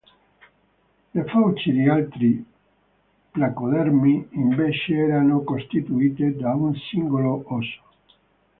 Le fauci di altri placodermi, invece, erano costituite da un singolo osso.